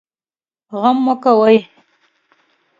غم مه کوئ